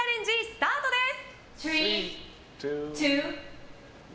スタートです！